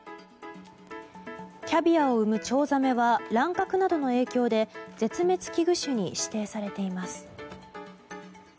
キャビアを産むチョウザメは乱獲などの影響で絶滅危惧種に指定されています。